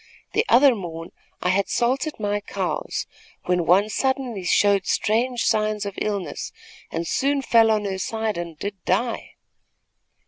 The other morn I had salted my cows, when one suddenly showed strange signs of illness and soon fell on her side and did die.